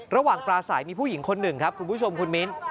ระหว่างปลาสายมีผู้หญิงคนหนึ่งครับคุณผู้ชมคุณมิ้น